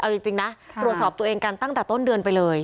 เอาจริงนะตรวจสอบตัวเองกันตั้งแต่ต้นเดือนไปเลย